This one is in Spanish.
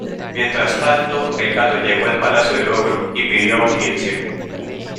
Mientras tanto el gato llegó al palacio del ogro y pidió audiencia.